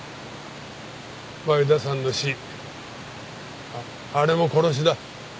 前田さんの死あれも殺しだ。